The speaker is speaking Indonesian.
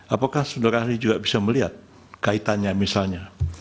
apakah saudara ahli juga bisa melihat kaitannya misalnya